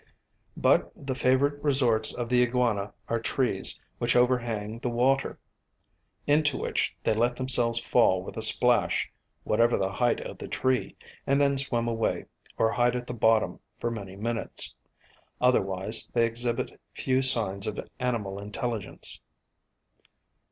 But the favourite resorts of the iguana are trees which overhang the water, into which they let themselves fall with a splash, whatever the height of the tree, and then swim away, or hide at the bottom for many minutes. Otherwise they exhibit few signs of animal intelligence.